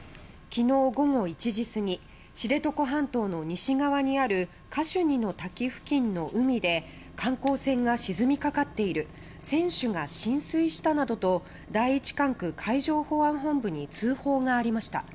昨日午後１時過ぎ知床半島の西側にあるカシュニの滝付近の海で観光船が沈みかかっている船首が浸水したなどと第１管区海上保安本部に通報がありました。